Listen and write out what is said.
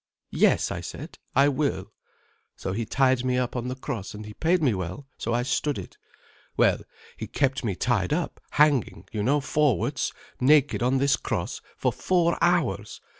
'Yes!' I said, 'I will.' So he tied me up on the cross. And he paid me well, so I stood it. Well, he kept me tied up, hanging you know forwards naked on this cross, for four hours.